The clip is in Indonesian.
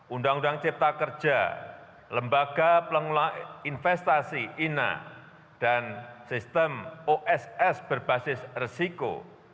undang undang cipta kerja lembaga pengulang investasi ina dan sistem oss berbasis resiko